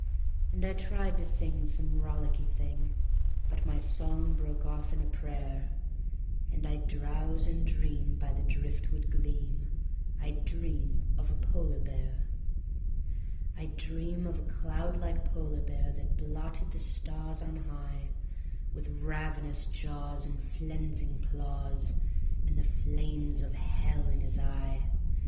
And I tried to sing some rollicky thing, but my song broke off in a prayer, And I'd drowse and dream by the driftwood gleam; I'd dream of a polar bear; I'd dream of a cloudlike polar bear that blotted the stars on high, With ravenous jaws and flenzing claws, and the flames of hell in his eye.